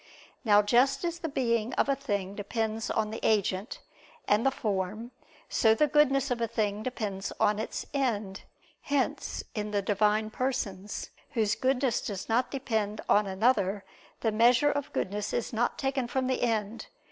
Now just as the being of a thing depends on the agent, and the form, so the goodness of a thing depends on its end. Hence in the Divine Persons, Whose goodness does not depend on another, the measure of goodness is not taken from the end.